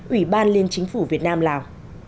ủy ban liên chính phủ việt nam lào